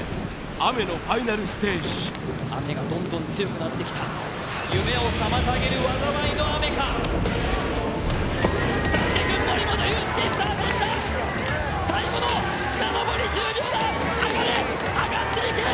雨のファイナルステージ雨がどんどん強くなってきた夢を妨げる災いの雨かサスケくん森本裕介スタートした最後の綱登り１０秒だ上がれ上がっていけ！